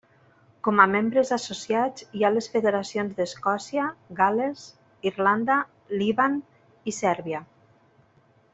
Com a membres associats hi ha les federacions d'Escòcia, Gal·les, Irlanda, Líban i Sèrbia.